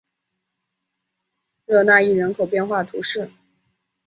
热讷伊人口变化图示